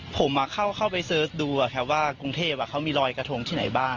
ผมเข้าไปเสิร์ชดูว่ากรุงเทพเขามีรอยกระทงที่ไหนบ้าง